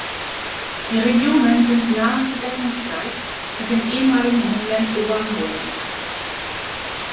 Die Regionen sind nahezu deckungsgleich mit dem ehemaligen Homeland Ovamboland.